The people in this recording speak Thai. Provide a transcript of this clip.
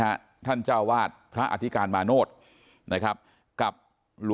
ทั้งทั้งที่ทั้งคู่ก็ถือว่าเป็นพระชราภาพกันแล้ว